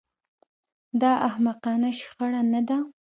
دا احمقانه شخړه نه ده